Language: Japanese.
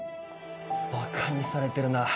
バカにされてるな。